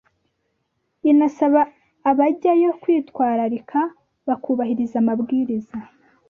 inasaba abajyayo kwitwararika bakubahiriza amabwiriza